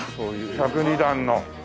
１０２段の！